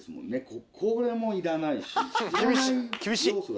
これもいらないし。